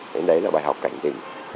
thế đấy là bài học cảnh tính